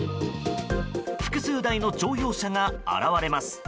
複数台の乗用車が現れます。